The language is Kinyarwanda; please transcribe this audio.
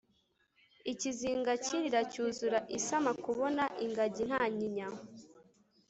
ikizinga cy'irira cyuzura isama kubona ingajyi ntanyinya